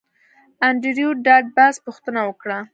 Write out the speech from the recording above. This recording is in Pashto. انډریو ډاټ باس پوښتنه وکړه